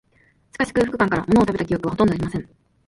しかし、空腹感から、ものを食べた記憶は、ほとんどありません